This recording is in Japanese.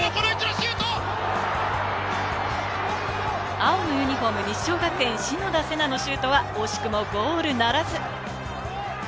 青のユニホーム、日章学園・篠田星凪のシュートは惜しくもゴールならず。